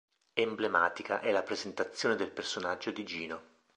Emblematica è la presentazione del personaggio di Gino.